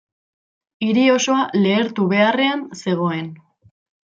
Hiri osoa lehertu beharrean zegoen.